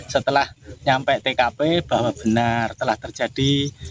setelah nyampe tkp bahwa benar telah terjadi